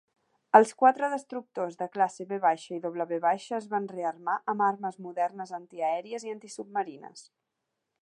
Els quatre destructors de classe V i W es van rearmar amb armes modernes antiaèries i antisubmarines.